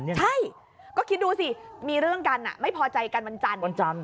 ใช่ก็คิดดูสิมีเรื่องกันไม่พอใจกันวันจันทร์